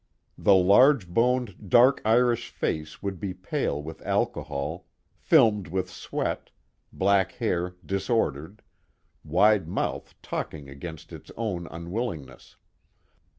The large boned, dark Irish face would be pale with alcohol, filmed with sweat, black hair disordered, wide mouth talking against its own unwillingness.